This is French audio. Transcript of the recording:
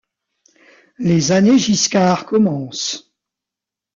Les années Giscard commencent.